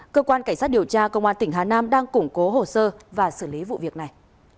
cơ quan cảnh sát điều tra công an tỉnh hà nam đang củng cố hồ sơ và xử lý vụ việc này